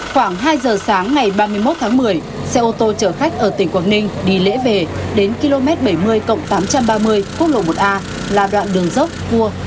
khoảng hai giờ sáng ngày ba mươi một tháng một mươi xe ô tô chở khách ở tỉnh quảng ninh đi lễ về đến km bảy mươi tám trăm ba mươi quốc lộ một a là đoạn đường dốc cua